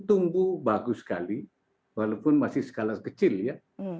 tumbuh bagus sekali walaupun masih skala kecil ya